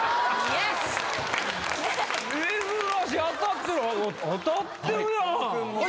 珍しい当たってるわ当たってるやん